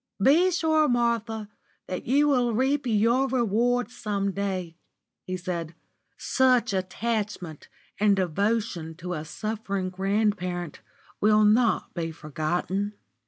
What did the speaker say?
"Be sure, Martha, that you will reap your reward some day," he said. "Such attachment and devotion to a suffering grandparent will not be forgotten."